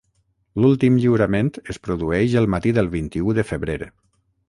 L'últim lliurament es produeix el matí del vint-i-u de febrer.